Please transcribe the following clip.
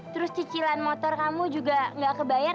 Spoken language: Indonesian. terus cicilan motor kamu juga nggak kebayar